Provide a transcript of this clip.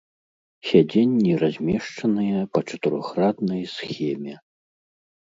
Сядзенні размешчаныя па чатырохраднай схеме.